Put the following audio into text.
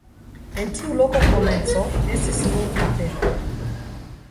En tiu loko komence estis nur kapelo.